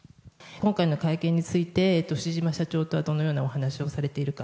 今回の会見について、藤島社長とはどのようなお話をされているか。